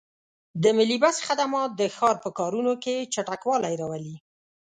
د ملي بس خدمات د ښار په کارونو کې چټکوالی راولي.